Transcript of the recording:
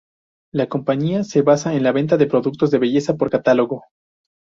La compañía se basa en la venta de productos de belleza por catálogo.